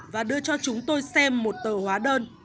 và đưa cho chúng tôi xem một tờ hóa đơn